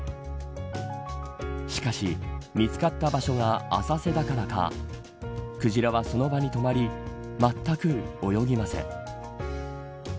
しかし、見つかった場所が浅瀬だからかクジラはその場に止まりまったく泳ぎません。